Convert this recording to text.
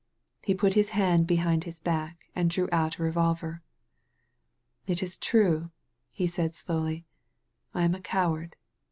He put his hand behind his back and drew out a revolver. "It is true," he said slowly, "I am a coward.